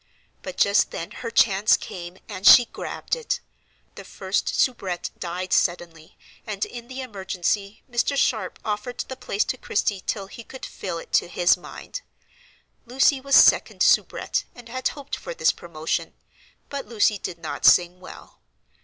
But just then her chance came, and she "grabbed it." The first soubrette died suddenly, and in the emergency Mr. Sharp offered the place to Christie till he could fill it to his mind. Lucy was second soubrette, and had hoped for this promotion; but Lucy did not sing well.